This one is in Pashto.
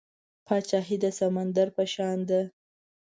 پاچاهي د سمندر په شان ده .